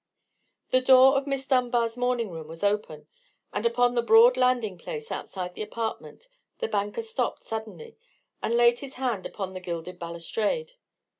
The door of Miss Dunbar's morning room was open: and upon the broad landing place outside the apartment the banker stopped suddenly, and laid his hand upon the gilded balustrade.